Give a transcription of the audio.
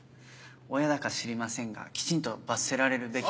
親だか知りませんがきちんと罰せられるべき。